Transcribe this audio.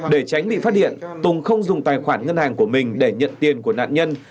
để tránh bị phát hiện tùng không dùng tài khoản ngân hàng của mình để nhận tiền của nạn nhân